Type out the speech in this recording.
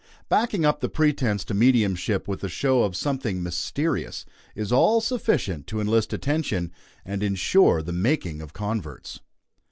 Backing up the pretence to mediumship with a show of something mysterious, is all sufficient to enlist attention, and insure the making of converts.